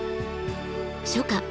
初夏